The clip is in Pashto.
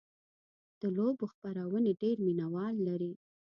د لوبو خپرونې ډېر مینهوال لري.